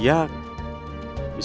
bisa berhenti urusannya